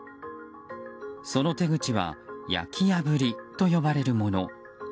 その手口は焼き破りと呼ばれるもの。